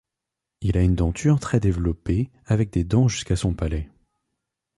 Il a une denture très développée avec des dents jusqu'à son palais.